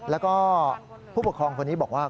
แล้วก็ผู้ปกครองคนนี้บอกว่า